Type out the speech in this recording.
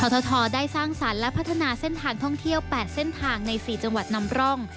ททได้สร้างสรรค์และพัฒนาเส้นทางท่องเที่ยว๘เส้นทางใน๔จังหวัดนำร่อง